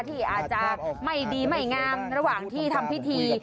ที่อาจจะไม่ดีไม่งามระหว่างที่ทำพิธี